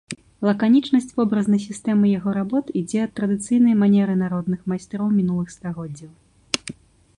Лаканічнасць вобразнай сістэмы яго работ ідзе ад традыцыйнай манеры народных майстроў мінулых стагоддзяў.